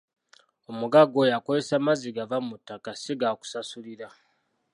Omugagga oyo akozesa mazzi gava mu ttaka si gaakusasulira.